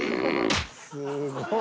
すごい。